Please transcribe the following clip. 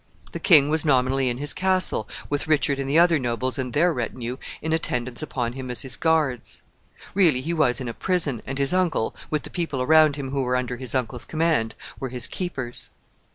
The king was nominally in his castle, with Richard and the other nobles and their retinue in attendance upon him as his guards. Really he was in a prison, and his uncle, with the people around him who were under his uncle's command, were his keepers.